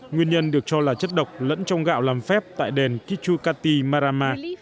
nguyên nhân được cho là chất độc lẫn trong gạo làm phép tại đền kichukati marama